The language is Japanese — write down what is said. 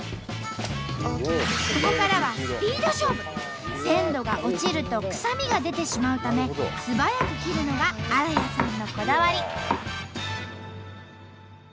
ここからはスピード勝負！鮮度が落ちると臭みが出てしまうため素早く切るのが新谷さんのこだわり。